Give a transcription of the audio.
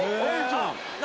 何？